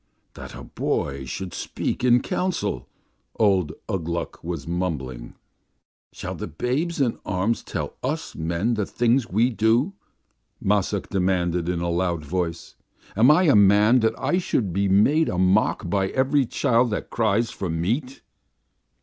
"That a boy should speak in council!" old Ugh Gluk was mumbling. "Shall the babes in arms tell us men the things we shall do?" Massuk demanded in a loud voice. "Am I a man that I should be made a mock by every child that cries for meat?"